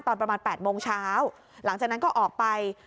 ตอนประมาณ๘โมงเช้าหลังจากนั้นก็ออกไป